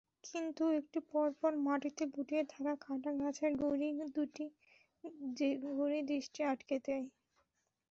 কিন্তু একটু পরপর মাটিতে লুটিয়ে থাকা কাটা গাছের গুঁড়ি দৃষ্টি আটকে দেয়।